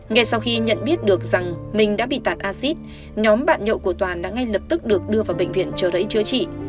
ngay sau khi nhận biết được rằng mình đã bị tạt acid nhóm bạn nhậu của toàn đã ngay lập tức được đưa vào bệnh viện trợ rẫy chữa trị